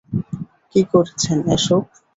কী করছেন এসব?